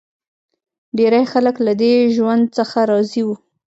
ډېری خلک له دې ژوند څخه راضي وو